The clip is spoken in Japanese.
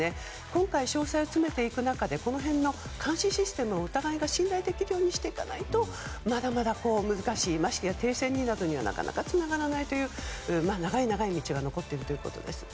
今回、詳細を詰めていく中で監視システムをお互いが信頼できるようにしていかないとまだまだ難しい停戦にはつながらないという長い長い道が残っているということです。